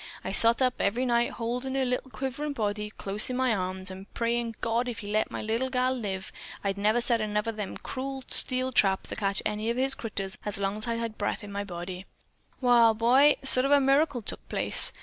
I sot up every night holdin' her little quiverin' body close in my arms, an' prayin' God if he'd let my little gal live, I'd never set another of them cruel steel traps to catch any of His critters as long as I'd breath in my body. "Wall, boy, sort of a miracle took place.